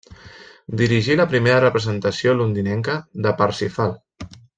Dirigí la primera representació londinenca de Parsifal.